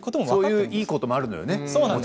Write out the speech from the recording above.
そういういいこともあるんだよね。